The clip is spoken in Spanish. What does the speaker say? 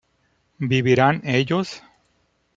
¿vivirán ellos?